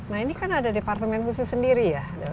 nah ini kan ada departemen khusus sendiri ya